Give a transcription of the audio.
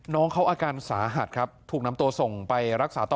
น้องเขาอาการสาหัสครับถูกนำตัวส่งไปรักษาต่อ